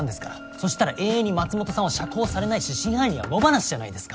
そしたら永遠に松本さんは釈放されないし真犯人は野放しじゃないですか。